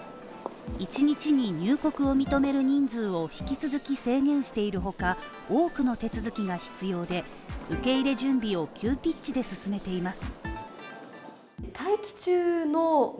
１日に入国を認める人数を引き続き制限しているほか、多くの手続きが必要で、受け入れ準備を急ピッチで進めています。